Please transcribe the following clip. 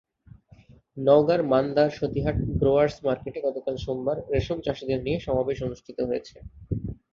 নওগাঁর মান্দার সতীহাট গ্রোয়ার্স মার্কেটে গতকাল সোমবার রেশমচাষিদের নিয়ে সমাবেশ অনুষ্ঠিত হয়েছে।